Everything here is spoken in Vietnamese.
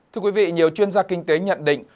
thưa quý vị nhiều chuyên gia kinh tế nhận định